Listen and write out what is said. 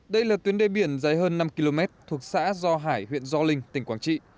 đây là tuyến đê biển dài hơn năm km thuộc xã do hải huyện do linh tỉnh quảng trị